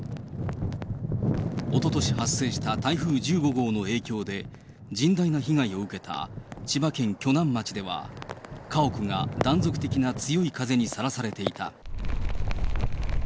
おととし発生した台風１５号の影響で、甚大な被害を受けた千葉県鋸南町では、家屋が断続的な強い風にさらされていた。